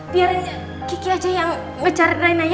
biar kiki aja yang ngejar rena ya